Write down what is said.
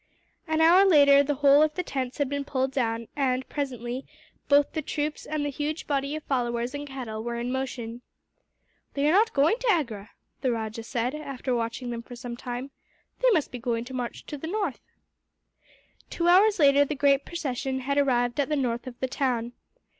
An hour later the whole of the tents had been pulled down and, presently, both the troops and the huge body of followers and cattle were in motion. "They are not going to Agra," the rajah said, after watching them for some time; "they must be going to march to the north." Two hours later, the great procession had arrived at the north of the town.